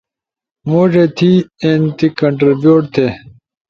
موڙے تھی، اینتی کنٹربیوٹ تھی۔